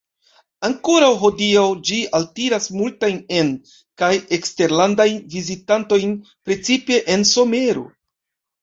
Ankoraŭ hodiaŭ ĝi altiras multajn en- kaj eksterlandajn vizitantojn, precipe en somero.